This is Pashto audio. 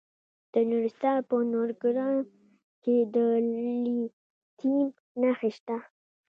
د نورستان په نورګرام کې د لیتیم نښې شته.